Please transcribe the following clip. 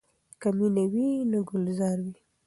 که مینه وي نو ګلزار وي.